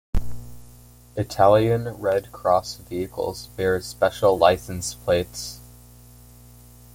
Italian Red Cross vehicles bear special license plates.